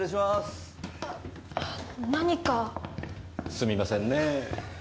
すみませんねぇ。